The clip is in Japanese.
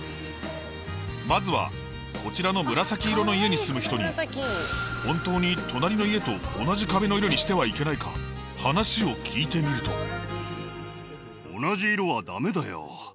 まずはこちらの紫色の家に住む人に本当に隣の家と同じ壁の色にしてはいけないか話を聞いてみると。